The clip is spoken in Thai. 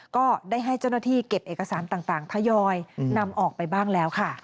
ก็ได้ให้เจ้าหน้าที่เก็บเอกสารต่างทยอยนำออกไปบ้างแล้วค่ะ